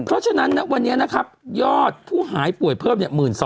เพราะฉะนั้นวันนี้นะครับยอดผู้หายป่วยเพิ่ม๑๒๐๐